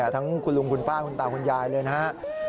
ทั้งคุณลุงคุณป้าคุณตาคุณยายเลยนะครับ